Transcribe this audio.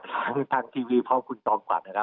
เรื่องที่ดินเกี่ยวไหมคะ